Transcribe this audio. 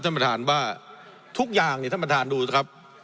ท่านประธานว่าทุกอย่างเนี่ยท่านประธานดูสิครับ